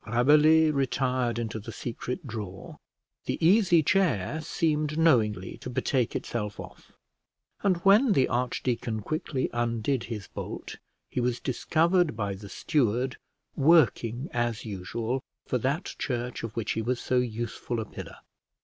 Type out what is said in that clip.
Rabelais retired into the secret drawer, the easy chair seemed knowingly to betake itself off, and when the archdeacon quickly undid his bolt, he was discovered by the steward working, as usual, for that church of which he was so useful a pillar.